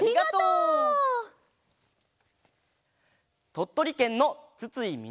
とっとりけんのつついみ